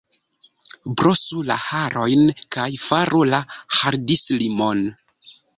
Brosu la harojn kaj faru la hardislimon!